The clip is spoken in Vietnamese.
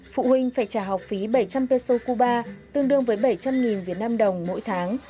phụ huynh phải trả học phí bảy trăm linh peso cuba tương đương với bảy trăm linh vnđ mỗi tháng